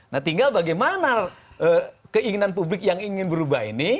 nah tinggal bagaimana keinginan publik yang ingin berubah ini